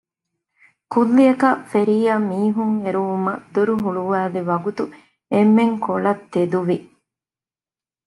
ކުއްލިއަކަށް ފެރީއަށް މީހުން އެރުވުމަށް ދޮރު ހުޅުވައިލި ވަގުތު އެންމެން ކޮޅަށް ތެދުވި